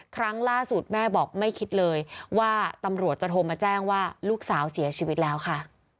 ครั้งล่าสุดแม่บอกไม่คิดเลยว่าตำรวจจะโทรมาแจ้งว่าลูกสาวเสียชีวิตแล้วค่ะ